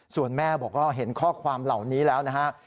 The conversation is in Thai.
ส่วนแม่บอกว่าเห็นข้อความเหล่านี้แล้วนะฮะ